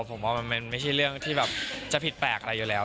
ผมว่ามันไม่ใช่เรื่องที่แบบจะผิดแปลกอะไรอยู่แล้ว